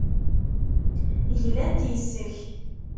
Glant yes-k.